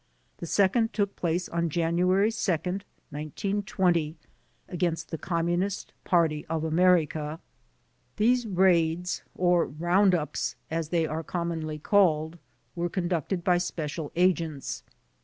The second took place on January 2, 1920, against the Communist Party of America. These raids, or round uijs, as they are commonly called, were conducted by special agents.